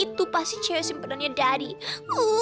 itu pasti cewek simpanannya daddy